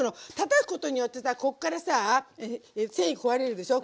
たたくことによってさこっからさあ繊維壊れるでしょ。